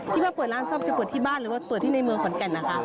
ที่ว่าเปิดร้านซ่อมจะเปิดที่บ้านหรือว่าเปิดที่ในเมืองขอนแก่นนะคะ